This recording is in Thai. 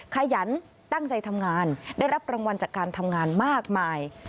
ขยันตั้งใจทำงานได้รับรางวัลจากการทำงานมากมาย